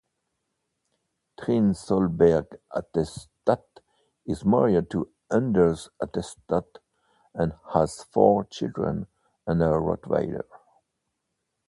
Trine Solberg-Hattestad is married to Anders Hattestad and has four children and a rotweiler.